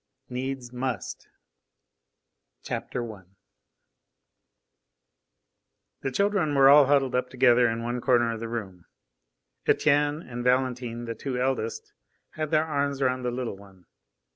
X "NEEDS MUST " I The children were all huddled up together in one corner of the room. Etienne and Valentine, the two eldest, had their arms round the little one.